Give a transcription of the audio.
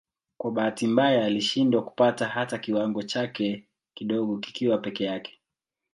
Kwa bahati mbaya alishindwa kupata hata kiwango chake kidogo kikiwa peke yake.